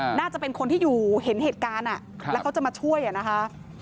น่าจะเป็นคนที่อยู่เห็นเหตุการณ์อ่ะแล้วเขาจะมาช่วยอ่ะนะคะ